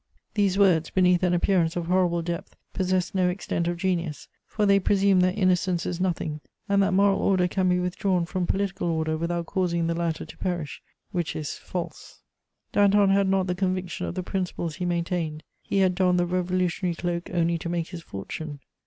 These words, beneath an appearance of horrible depth, possess no extent of genius, for they presume that innocence is nothing, and that moral order can be withdrawn from political order without causing the latter to perish, which is false. [Sidenote: Danton.] Danton had not the conviction of the principles he maintained; he had donned the revolutionary cloak only to make his fortune.